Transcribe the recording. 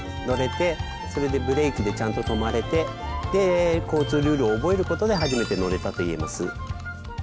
乗れてそれでブレーキでちゃんと止まれてで交通ルールを覚えることで初めて乗れたと言えます。